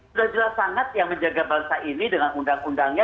sudah jelas sangat yang menjaga bangsa ini dengan undang undangnya